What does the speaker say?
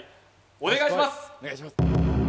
お願いします